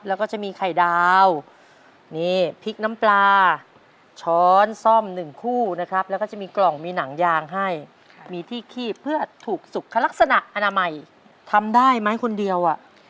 แล้วก็จะมีไข่ดาวนี่พริกน้ำปลาช้อนซ่อมหนึ่งคู่นะครับแล้วก็จะมีกล่องมีหนังยางให้มีที่คีบเพื่อถูกสุขลักษณะอนามัยทำได้ไหมคนเดียว